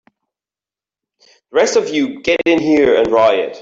The rest of you get in here and riot!